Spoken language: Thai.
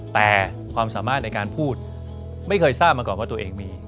แต่ความสามารถในการพูดไม่เคยทราบมาก่อนว่าตัวเองมี